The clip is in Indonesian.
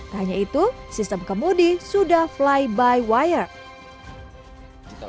tak hanya itu sistem kemudi sudah fly by wire